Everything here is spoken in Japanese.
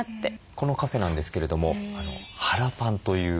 このカフェなんですけれどもハラパンという名前で。